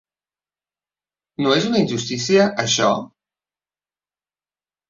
No és una injustícia, això?